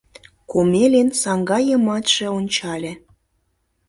Комелин саҥга йымачше ончале.